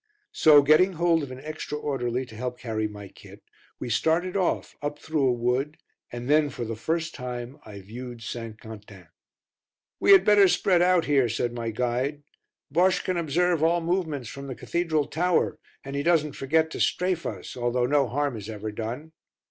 So, getting hold of an extra orderly to help carry my kit, we started off, up through a wood and then for the first time I viewed St. Quentin. "We had better spread out here," said my guide. "Bosche can observe all movements from the Cathedral tower, and he doesn't forget to 'strafe' us although no harm is ever done."